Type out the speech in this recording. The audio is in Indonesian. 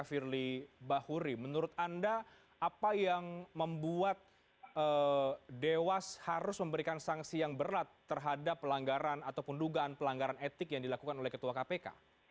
firly bahuri menurut anda apa yang membuat dewas harus memberikan sanksi yang berat terhadap pelanggaran ataupun dugaan pelanggaran etik yang dilakukan oleh ketua kpk